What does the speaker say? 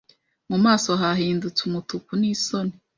mu maso hahindutse umutuku nisoni.